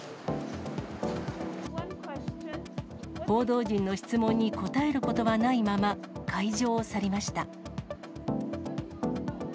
報道陣の質問に答えることはないまま、会場を去りました。